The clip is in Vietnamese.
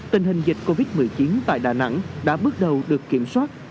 tình hình dịch covid một mươi chín tại đà nẵng đã bước đầu được kiểm soát